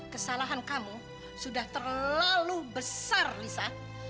kesalahan kamu sudah terlalu besar lisa